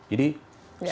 jadi sekarang bukan saja